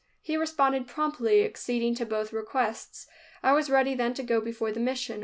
He responded promptly, acceding to both requests. I was ready then to go before the mission.